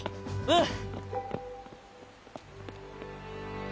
うん！